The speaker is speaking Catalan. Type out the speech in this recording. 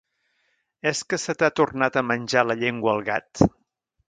És que se t'ha tornat a menjar la llengua el gat?